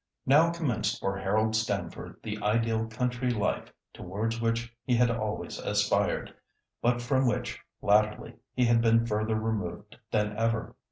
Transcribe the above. Now commenced for Harold Stamford the ideal country life towards which he had always aspired, but from which, latterly, he had been further removed than ever.